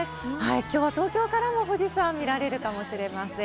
今日は東京からも富士山が見られるかもしれません。